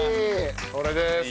これです。